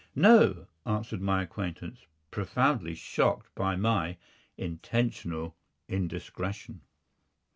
"No," answered my acquaintance, profoundly shocked by my intentional indiscretion.